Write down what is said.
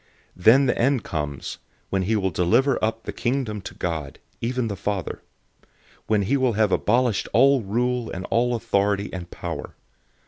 015:024 Then the end comes, when he will deliver up the Kingdom to God, even the Father; when he will have abolished all rule and all authority and power.